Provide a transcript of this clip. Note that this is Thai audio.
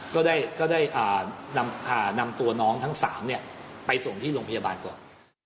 ก็ได้นำตัวน้องทั้ง๓ไปส่งที่โรงพยาบาลก่อน